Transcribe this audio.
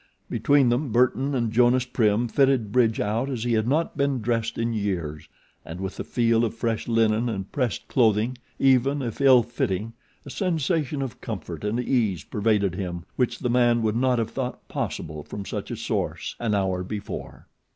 Between them, Burton and Jonas Prim fitted Bridge out as he had not been dressed in years, and with the feel of fresh linen and pressed clothing, even if ill fitting, a sensation of comfort and ease pervaded him which the man would not have thought possible from such a source an hour before.